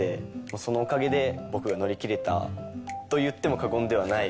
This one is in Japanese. そのおかげで僕が乗り切れたといっても過言ではない。